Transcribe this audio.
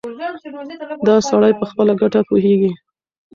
دا سړی په خپله ګټه پوهېږي.